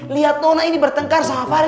lihat nona ini bertengkar sama farel